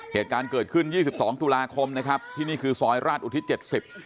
เหตุการณ์เกิดขึ้น๒๒ทุลาคมนะครับที่นี่คือซอยราชอุทิศ๗๐